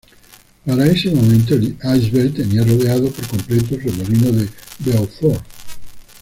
Para ese momento, el iceberg tenía rodeado por completo el remolino de Beaufort.